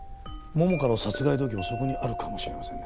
桃花の殺害動機もそこにあるかもしれません。